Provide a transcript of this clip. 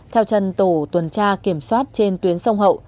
theo chân tổ tuần tra kiểm soát trên tuyến sông hậu